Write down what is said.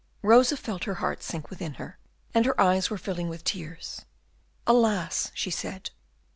Rosa felt her heart sink within her, and her eyes were filling with tears. "Alas!" she said.